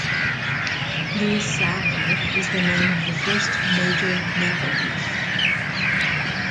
Louis Sadler is the name of the first Major Mapleleaf.